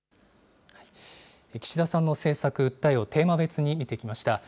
岸田さんの政策、訴えをテーマ別に見てきました。